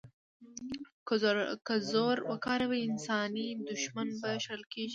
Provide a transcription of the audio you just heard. که زور وکاروي، انساني دوښمن به شړل کېږي.